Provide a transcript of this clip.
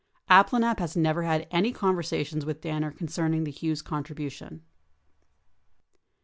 Abplanalp has never had any conversations with Danner concerning the Hughes contribution.